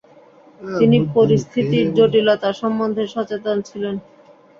তিনি পরিস্থিতির জটিলতা সম্মন্ধে সচেতন ছিলেন।